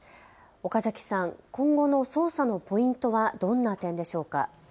岡崎さん、今後の捜査のポイントはどんな点でしょうか。